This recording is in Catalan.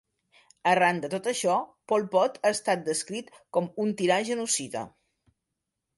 Arran de tot això, Pol Pot ha estat descrit com "un tirà genocida".